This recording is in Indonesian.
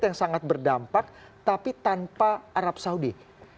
yang sangat berdampak tapi tanpa arab saudi